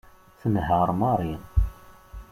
Tenheṛ Mary.